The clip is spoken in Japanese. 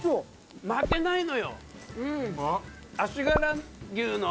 負けないのよ。